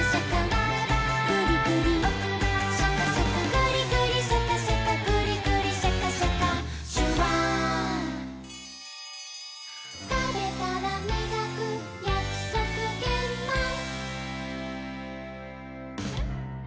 「グリグリシャカシャカグリグリシャカシャカ」「シュワー」「たべたらみがくやくそくげんまん」